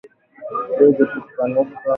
Tezi kupanuka